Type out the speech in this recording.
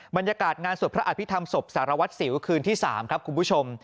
บรรยากาศงานสวดพระอภิษฐรรมศพสารวัตรสิวคืนที่๓ครับคุณผู้ชม